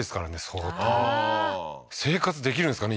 相当ああー生活できるんですかね？